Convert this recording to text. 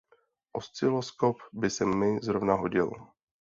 Osciloskop by se mi zrovna hodil.